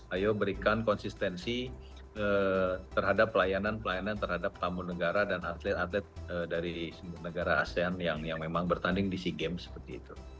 ayo berikan konsistensi terhadap pelayanan pelayanan terhadap tamu negara dan atlet atlet dari negara asean yang memang bertanding di sea games seperti itu